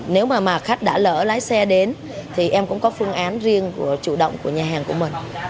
nếu mà khách đã lỡ lái xe đến thì em cũng có phương án riêng chủ động của nhà hàng của mình